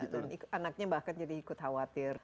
dan anaknya juga nanti bahkan jadi ikut khawatir